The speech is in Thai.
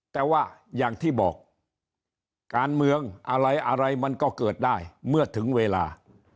แต่ว่าอย่างที่บอกการเมืองอะไรอะไรมันก็เกิดได้เมื่อถึงเวลา